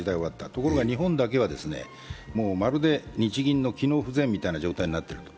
ところが日本だけは、まるで日銀の機能不全みたいな状態になっていると。